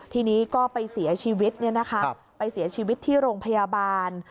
ทีนี้ก็ไปเสียชีวิตไปเสียชีวิตที่โรงพยาบาล